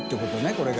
これが。